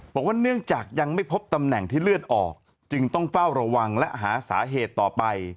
บอกว่าเนื่องจากยังไม่พบตำแหน่งที่เลือดออกจึงต้องเฝ้าระวังและหาสาเหตุต่อไป